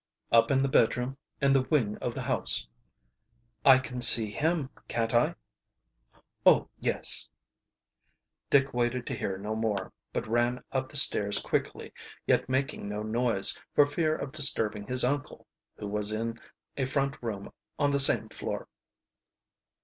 "Up in the bedroom in the wing of the house." "I can see him, can't I?" "Oh, yes." Dick waited to hear no more, but ran up the stairs quickly, yet making no noise, for fear of disturbing his uncle, who was in a front room on the same floor.